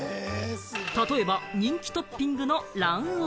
例えば人気トッピングの卵黄。